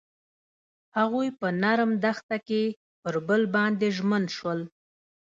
هغوی په نرم دښته کې پر بل باندې ژمن شول.